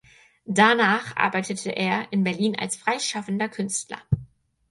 Danach arbeitete er in Berlin als freischaffender Künstler.